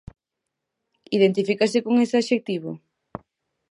Identifícase con ese adxectivo?